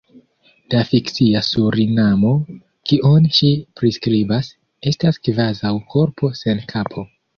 La fikcia Surinamo, kiun ŝi priskribas, estas kvazaŭ korpo sen kapo.